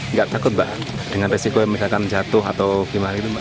nggak takut mbak dengan resiko misalkan jatuh atau gimana gitu mbak